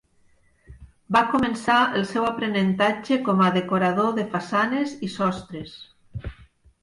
Va començar el seu aprenentatge com a decorador de façanes i sostres.